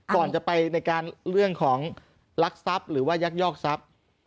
ก่อนจะไปในการเรื่องของลักทรัพย์หรือว่ายักยอกทรัพย์